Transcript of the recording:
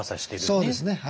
そうですね。